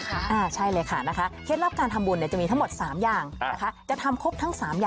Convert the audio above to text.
ก็ออกน้ำตาลน้ำตาลนะ